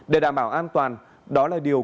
để đảm bảo an toàn đó là điều